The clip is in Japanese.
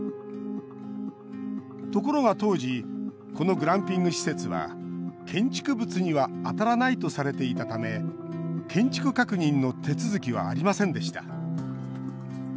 ところが当時このグランピング施設は建築物には当たらないとされていたため建築確認の手続きはありませんでした。